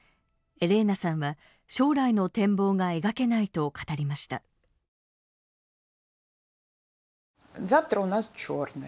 エレーナさんは、将来の展望が描けないと語りました。